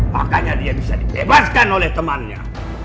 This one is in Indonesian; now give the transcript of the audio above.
makanya dia bisa dibebaskan oleh temannya